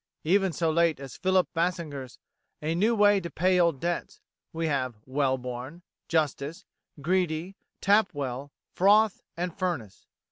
Even so late as Philip Massinger's "A New Way to Pay Old Debts," we have Wellborn, Justice, Greedy, Tapwell, Froth, and Furnace.